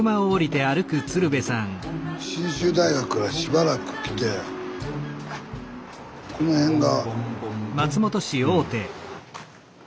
信州大学からしばらく来てこの辺が。